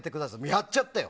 やっちゃったよ。